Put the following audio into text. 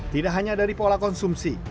tidak hanya dari pola konsumsi